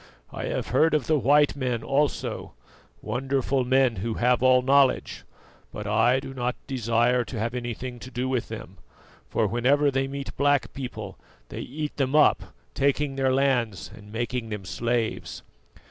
I have heard of the white men also wonderful men who have all knowledge; but I do not desire to have anything to do with them, for whenever they meet black people they eat them up, taking their lands and making them slaves.